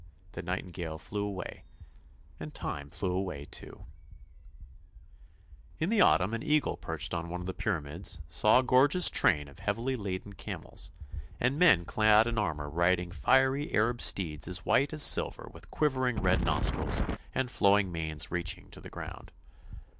The nightingale flew away — and time flew away too. u 3 o6 ANDERSEN'S FAIRY TALES In the autumn an eagle perched on one of the Pyramids saw a gorgeous train of heavily laden camels, and men clad in armour riding fiery Arab steeds as white as silver with quivering red nostrils and flowing manes reaching to the ground.